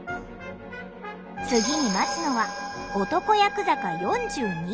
次に待つのは男厄坂４２段。